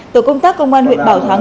tổ công tác công an huyện bảo thắng